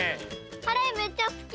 カレーめっちゃすき！